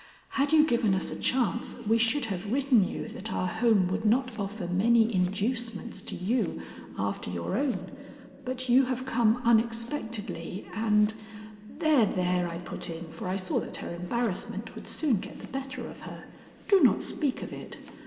Had you given us a chance we should have written you that our home would not offer many inducements to you after your own, but you have come unexpectedly and " "There, there," I put in, for I saw that her embarrassment would soon get the better of her, "do not speak of it.